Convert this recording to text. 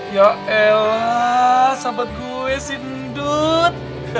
ya elah sahabat gue si dundut